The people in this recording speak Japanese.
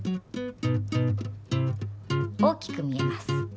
大きく見えます。